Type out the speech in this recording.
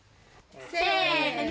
せの。